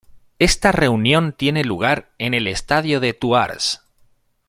Esta reunión tiene lugar en el estadio de Thouars.